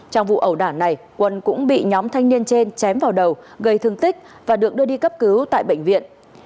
trong vụ ẩu đản này quân cũng bị nhóm thanh niên trên chém vào đầu gây thương tích và được đưa đi cấp cứu tại bệnh viện